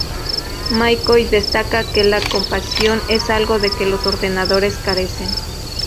McCoy destaca que la compasión es algo de que los ordenadores carecen.